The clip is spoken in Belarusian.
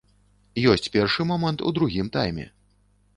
Ёсць першы момант у другім тайме.